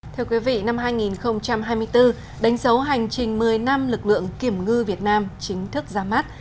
thưa quý vị năm hai nghìn hai mươi bốn đánh dấu hành trình một mươi năm lực lượng kiểm ngư việt nam chính thức ra mắt